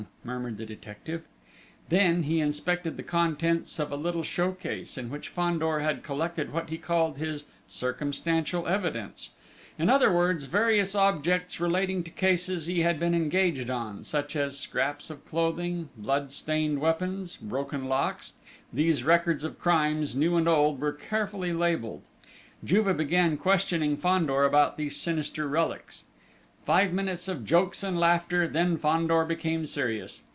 murmured the detective.... Then, he inspected the contents of a little show case, in which Fandor had collected what he called his "Circumstantial Evidence"; in other words, various objects relating to cases he had been engaged on, such as scraps of clothing, blood stained weapons, broken locks: these records of crimes, new and old, were carefully labelled. Juve began questioning Fandor about these sinister relics. Five minutes of jokes and laughter, then Fandor became serious.